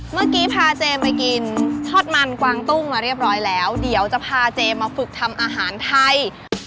เมื่อกี้พาเจมส์ไปกินทอดมันกวางตุ้งมาเรียบร้อยแล้วเดี๋ยวจะพาเจมาฝึกทำอาหารไทย